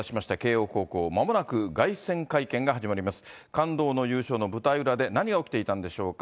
感動の優勝の舞台裏で何が起きていたんでしょうか。